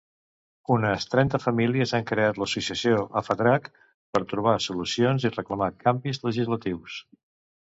Unes trenta famílies han creat l'associació Afatrac, per trobar solucions i reclamar canvis legislatius.